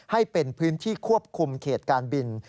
ให้เป็นพื้นที่ควบคุมเขตการบิน